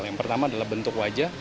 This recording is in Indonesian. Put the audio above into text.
yang pertama adalah bentuk wajah